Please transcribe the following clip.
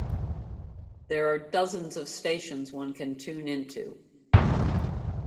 There are dozens of stations one can tune into.